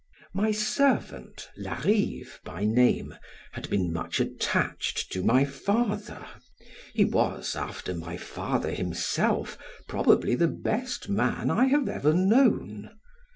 My servant, Larive by name, had been much attached to my father; he was, after my father himself, probably the best man I have ever known.